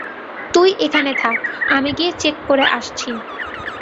তুই এখানে থাক, আমি গিয়ে চেক করে আসছি।